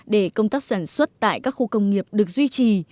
để công tác sản xuất tại các khu công nghiệp được duy trì